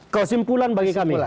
kesimpulan bagi kami